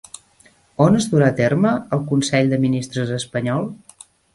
On es durà a terme el consell de ministres espanyol?